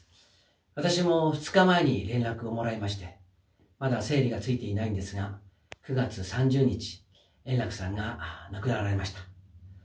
私も２日前に連絡をもらいまして、まだ整理がついていないんですが、９月３０日、円楽さんが亡くなられました。